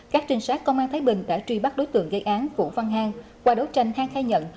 các trinh sát công an thái bình đã truy bắt đối tượng gây án vũ văn hang qua đấu tranh khang khai nhận